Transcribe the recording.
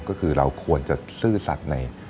ก็คือเราควรจะซื่อสัตว์ใน